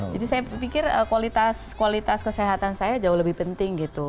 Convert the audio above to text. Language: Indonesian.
jadi saya pikir kualitas kesehatan saya jauh lebih penting gitu